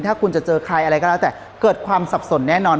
ถ้าคุณจะเจอใครอะไรก็แล้วแต่เกิดความสับสนแน่นอน